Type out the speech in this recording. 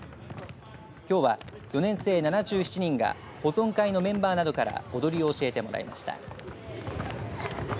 きょうは４年生７７人が保存会のメンバーなどから踊りを教えてもらいました。